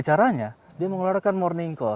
caranya dia mengeluarkan morning call